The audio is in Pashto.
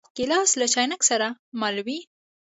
ګیلاس له چاینک سره مل وي.